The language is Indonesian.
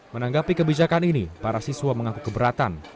menanggapi kebijakan ini para siswa mengaku keberatan